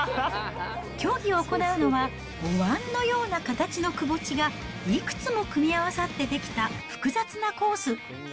競技を行うのは、おわんのような形のくぼ地がいくつも組み合わさってできた複雑なコース。